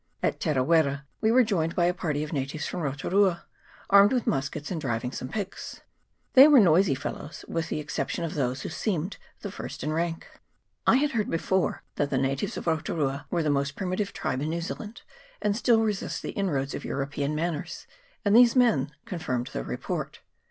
At Tera wera we were joined by a party of natives from Rotu rua, armed with muskets, and driving some pigs. They were very noisy fellows, with the exception of those who seemed the first in rank. I had heard before that the natives of Rotu rua were the most primitive tribe in New Zealand, and still resist the inroads of European manners, and these men confirmed the report.